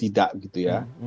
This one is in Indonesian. bisa jadi tidak